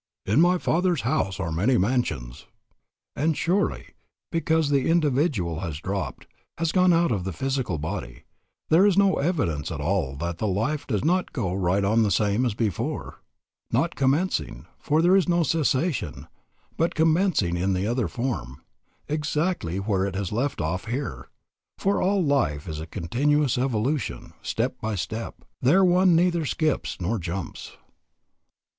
"In my Father's house are many mansions." And surely, because the individual has dropped, has gone out of the physical body, there is no evidence at all that the life does not go right on the same as before, not commencing, for there is no cessation, but commencing in the other form, exactly where it has left off here; for all life is a continuous evolution, step by step; there one neither skips nor jumps.